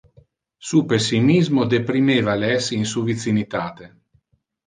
Su pessimismo deprimeva les in su vicinitate.